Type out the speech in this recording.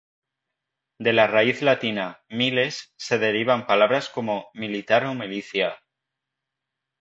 De la raíz latina "miles" se derivan palabras como militar o milicia.